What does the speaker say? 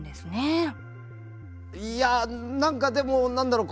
いやあ何かでも何だろう